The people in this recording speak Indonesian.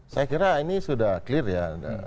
saya kira ini sudah clear ya